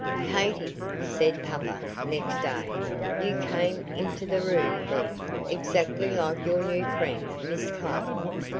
"Katy," said Papa, next day, "you came into the room then, exactly like your new friend Miss Clark."